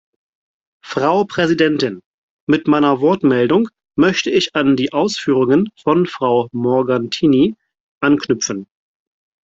Frau Präsidentin! Mit meiner Wortmeldung möchte ich an die Ausführungen von Frau Morgantini anknüpfen.